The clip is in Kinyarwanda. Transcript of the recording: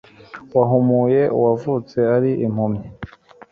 wahumuye uwavutse ari impumyi